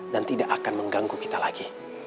tidak akan mengganggu kita lagi